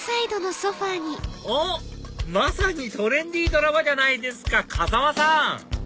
おっまさにトレンディードラマじゃないですか風間さん！